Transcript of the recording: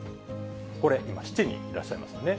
これ、今、７人いらっしゃいますよね。